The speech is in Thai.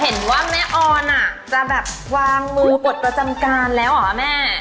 เห็นว่าแม่ออนจะแบบวางมือปลดประจำการแล้วเหรอแม่